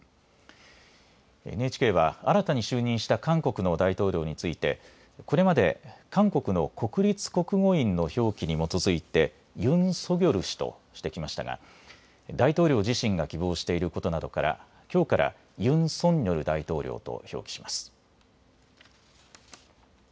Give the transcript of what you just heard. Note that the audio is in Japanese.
ＮＨＫは新たに就任した韓国の大統領についてこれまで韓国の国立国語院の表記に基づいてユン・ソギョル氏としてきましたが大統領自身が希望していることなどからきょうからユン・ソンニョル大統領と表記します。